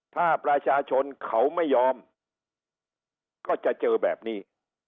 ถ้าประชาชนเขาไม่ยอมก็จะเจอแบบนี้